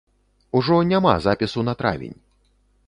Ужо няма запісу на травень!